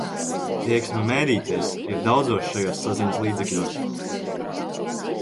Tieksme mēdīties ir daudzos šajos saziņas līdzekļos.